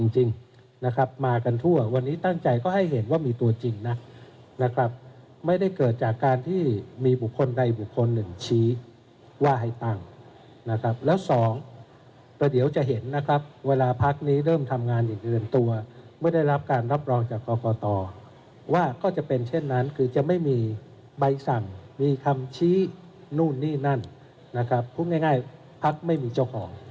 ชิ้นนู่นนี่นั่นนะครับพูดง่ายพพักไม่มีเจ้าของ